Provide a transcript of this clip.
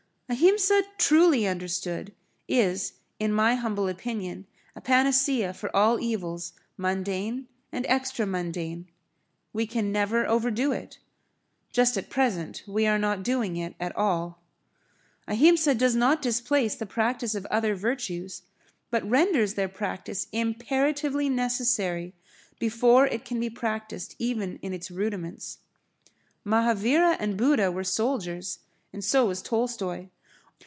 Ahimsa truly understood is in my humble opinion a panacea for all evils mundane and extra mundane. We can never overdo it. Just at present we are not doing it at all. Ahimsa does not displace the practice of other virtues, but renders their practice imperatively necessary before it can be practised even in its rudiments. Mahavira and Buddha were soldiers, and so was Tolstoy.